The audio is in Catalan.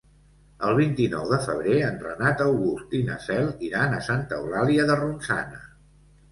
El vint-i-nou de febrer en Renat August i na Cel iran a Santa Eulàlia de Ronçana.